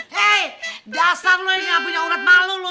hei dasar lu yang gak punya urat malu lu